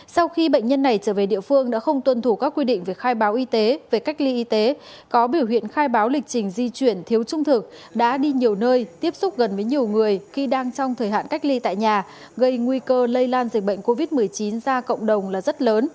sau khi bệnh nhân này trở về địa phương đã không tuân thủ các quy định về khai báo y tế về cách ly y tế có biểu hiện khai báo lịch trình di chuyển thiếu trung thực đã đi nhiều nơi tiếp xúc gần với nhiều người khi đang trong thời hạn cách ly tại nhà gây nguy cơ lây lan dịch bệnh covid một mươi chín ra cộng đồng là rất lớn